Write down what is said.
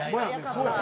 そうやね。